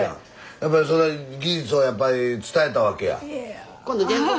やっぱりそれ技術はやっぱり伝えたわけや。